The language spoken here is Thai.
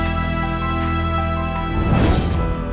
โปรดติดตามตอนต่อไป